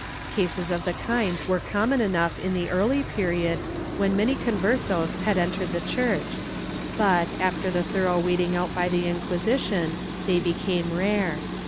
Cases of the kind were common enough in the early period, when many Converses had entered the Church but, after the thorough weeding out by the Inquisition, they became rare.